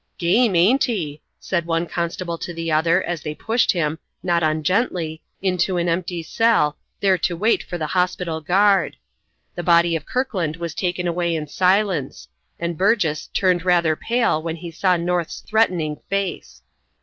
"Game, ain't he?" said one constable to the other, as they pushed him, not ungently, into an empty cell, there to wait for the hospital guard. The body of Kirkland was taken away in silence, and Burgess turned rather pale when he saw North's threatening face.